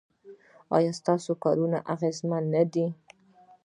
ایا ستاسو کارونه اغیزمن نه دي؟